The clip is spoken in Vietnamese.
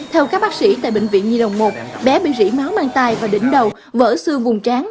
theo các bác sĩ tại bệnh viện nhi đồng một bé bị rỉ máu mang thai và đỉnh đầu vỡ xương vùng tráng